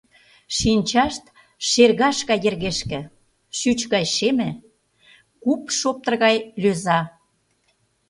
Шинчашт шергаш гай йыргешке, шӱч гай шеме, куп шоптыр гай лӧза.